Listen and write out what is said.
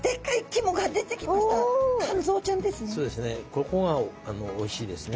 ここがおいしいですね。